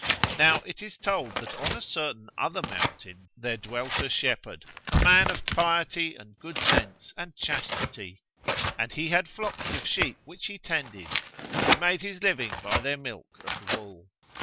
Now it is told that on a certain other mountain there dwelt a shepherd, a man of piety and good sense and chastity; and he had flocks of sheep which he tended, and he made his living by their milk and wool.